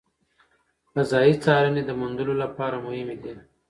فضایي څارنې د موندلو لپاره مهمې دي.